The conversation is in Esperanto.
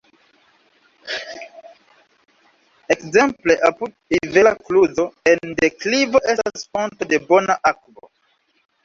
Ekzemple apud rivera kluzo en deklivo estas fonto de bona akvo.